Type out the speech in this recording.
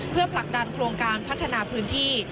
เพื่อผลักดันโครงการพัฒนาพื้นที่